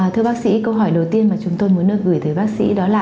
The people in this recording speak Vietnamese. thưa bác sĩ câu hỏi đầu tiên mà chúng tôi muốn được gửi tới bác sĩ đó là